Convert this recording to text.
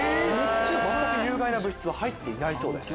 有害な物質は入ってないそうです。